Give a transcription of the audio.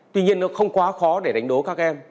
tuy nhiên nó không quá khó để đánh đố các em